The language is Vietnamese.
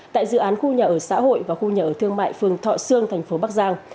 tại dự án khu nhà ở xã hội và khu nhà ở thương mại phường thọ sương thành phố bắc giang